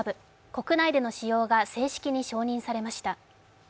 国内での使用が正式に承認されました。